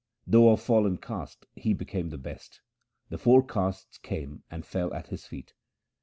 Though of fallen caste he became the best : the four castes came and fell at his feet.